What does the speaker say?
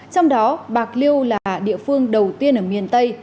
trong đó bạc liêu là địa phương đầu tiên ở miền tây